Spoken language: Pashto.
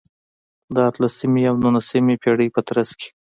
د اتلسمې او نولسمې پېړیو په ترڅ کې.